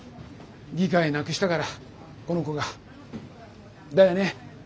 議会なくしたからこの子が。だよね？